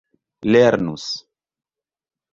lernus